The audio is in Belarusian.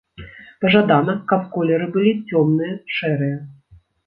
Пажадана, каб колеры былі цёмныя, шэрыя.